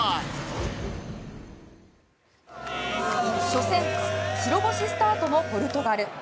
初戦白星スタートのポルトガル。